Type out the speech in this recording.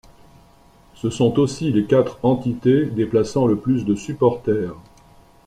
Ce sont aussi les quatre entités déplaçant le plus de supporters.